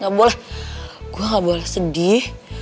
aku tidak boleh sedih